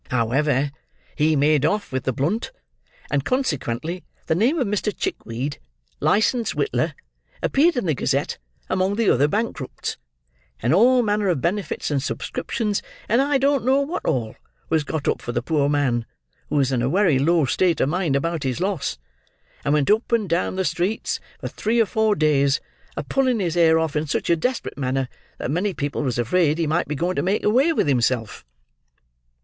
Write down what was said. However, he had made off with the blunt; and, consequently, the name of Mr. Chickweed, licensed witler, appeared in the Gazette among the other bankrupts; and all manner of benefits and subscriptions, and I don't know what all, was got up for the poor man, who was in a wery low state of mind about his loss, and went up and down the streets, for three or four days, a pulling his hair off in such a desperate manner that many people was afraid he might be going to make away with himself.